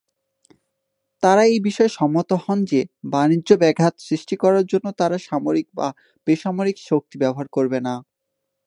তারা এই বিষয়ে সম্মত হন যে বাণিজ্যে ব্যাঘাত সৃষ্টি করার জন্য তারা সামরিক বা বেসামরিক শক্তি ব্যবহার করবে না।